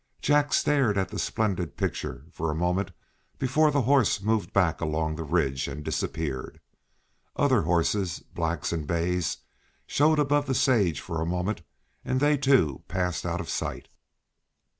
Jack stared at the splendid picture for the moment before the horse moved back along the ridge and disappeared. Other horses, blacks and bays, showed above the sage for a moment, and they, too, passed out of sight.